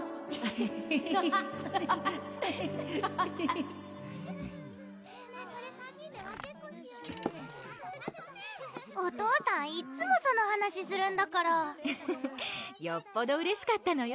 アハハハハお父さんいっつもその話するんだからフフッよっぽどうれしかったのよ